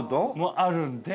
あるんで。